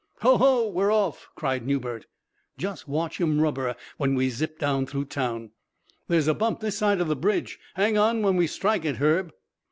"Ho! ho! We're off!" cried Newbert. "Just watch 'em rubber when we zip down through town. There's a bump this side of the bridge; hang on when we strike it, Herb."